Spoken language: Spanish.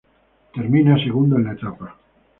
Termina segundo en la etapa.